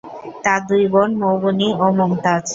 তার দুই বোন, মউবনি ও মুমতাজ।